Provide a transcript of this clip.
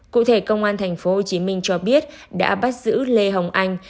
cụ thể công an tp hcm cho biết đã bắt giữ lê hồng anh